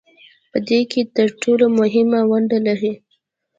په دې کې تر ټولو مهمه ونډه لري